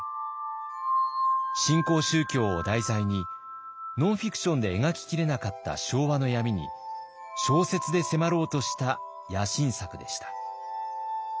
新興宗教を題材にノンフィクションで描ききれなかった昭和の闇に小説で迫ろうとした野心作でした。